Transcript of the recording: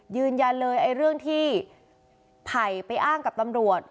ยืนยันเลยไอ้เรื่องที่ไผ่ไปอ้างกับตำรวจ